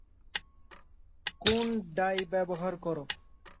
কোন ডাই ব্যবহার করো?